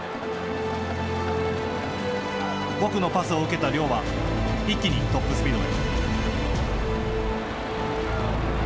僕のパスを受けた亮は一気にトップスピードへ。